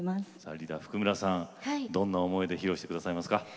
リーダー・譜久村さんどんな思いで披露してくださいますか？